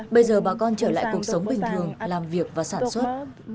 bây giờ bà con trở lại cuộc sống bình thường làm việc và sản xuất